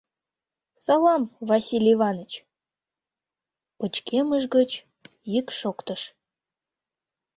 — Салам, Василь Иваныч! — пычкемыш гыч йӱк шоктыш.